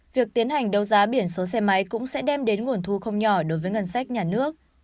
việc tiến hành đấu giá biển số xe máy cũng sẽ đem đến nguồn thu không nhỏ đối với ngân sách nhà nước